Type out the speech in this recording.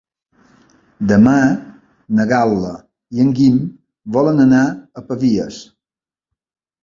Demà na Gal·la i en Guim volen anar a Pavies.